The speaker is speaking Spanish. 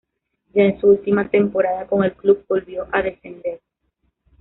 Ya en su última temporada con el club volvió a descender.